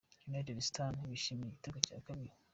United Stars bishimira igitego cya kabiri .